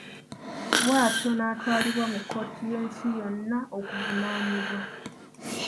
Bwatyo n'atwalibwa mu kkooti y'ensi yonna okuvunaanibwa.